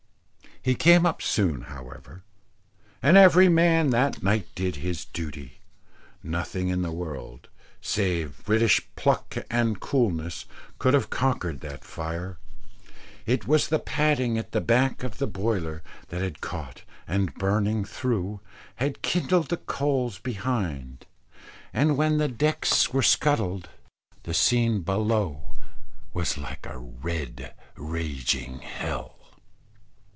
He came up soon, however, and every man that night did his duty. Nothing in the world, save British pluck and coolness, could have conquered that fire. It was the padding at the back of the boiler that had caught, and burning through, had kindled the coals behind, and when the decks were scuttled, the scene below was like a red raging hell.